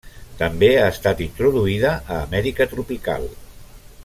També ha estat introduïda a Amèrica tropical.